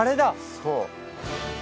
そう。